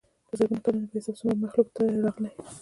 دَ زرګونو کلونو پۀ حساب څومره مخلوق تلي راغلي